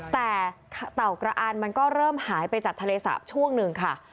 แต่เต่ากระอันมันก็เริ่มหายไปจากทะเลสาบช่วงหนึ่งค่ะ